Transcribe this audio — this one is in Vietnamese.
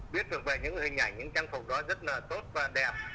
biết được về những hình ảnh những trang phục đó rất là tốt và đẹp